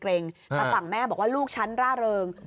แต่ฝั่งแม่บอกว่าลูกฉันร่าเริง